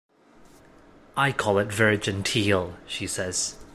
"I call it very genteel," she says.